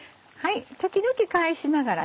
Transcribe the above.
時々返しながらね